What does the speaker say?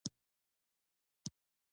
پر ټوله ځمکه یې حاکمیت درلود.